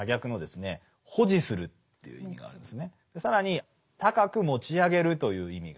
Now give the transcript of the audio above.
更に高く持ち上げるという意味があります。